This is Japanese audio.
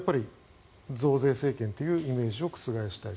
増税政権というイメージを覆したい。